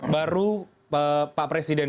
baru pak presiden